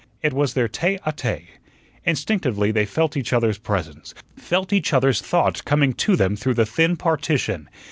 It was their tete a tete. Instinctively they felt each other's presence, felt each other's thought coming to them through the thin partition.